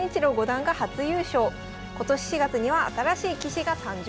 今年４月には新しい棋士が誕生。